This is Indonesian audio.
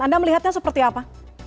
anda melihatnya seperti apa